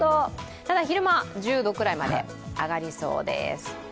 ただ昼間は１０度くらいまで上がりそうです。